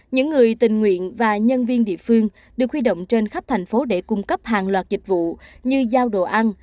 những người tình nguyện và nhân viên địa phương được huy động trên khắp thành phố để cung cấp hàng loạt dịch vụ như giao đồ ăn